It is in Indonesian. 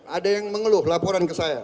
ada yang mengeluh laporan ke saya